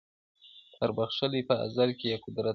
در بخښلی په ازل کي یې قدرت دئ-